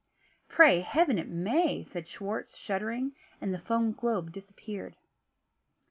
"Pray Heaven it may!" said Schwartz, shuddering. And the foam globe disappeared.